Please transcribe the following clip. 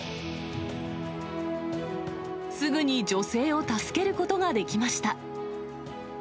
すぐに女性を助けることができました。